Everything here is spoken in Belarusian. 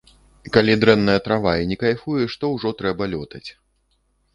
Калі дрэнная трава і не кайфуеш, то ўжо трэба лётаць.